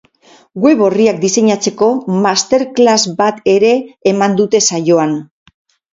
Web orriak diseinatzeko master class bat ere eman dute saioan.